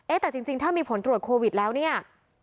แต่จริงถ้ามีผลตรวจโควิดแล้วเนี่ย